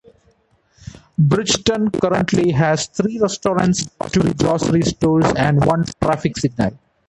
Brighton currently has three restaurants, two grocery stores and one traffic signal.